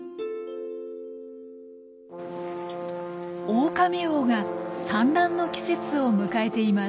オオカミウオが産卵の季節を迎えています。